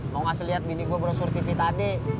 mau ngasih liat bini gue baru suruh tv tadi